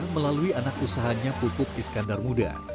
melalui anak usahanya pupuk iskandar muda